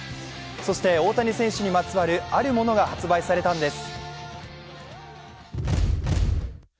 そして大谷選手にまつわるあるものが発売されたんです。